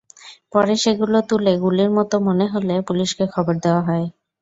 পরে সেগুলো তুলে গুলির মতো মনে হলে পুলিশকে খবর দেওয়া হয়।